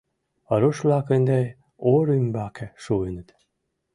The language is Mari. Руш-влак ынде ор ӱмбаке шуыныт.